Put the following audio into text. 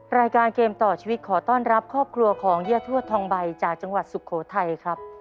รายการเกมต่อชีวิตขอต้อนรับครอบครัวของย่าทวดทองใบจากจังหวัดสุโขทัยครับ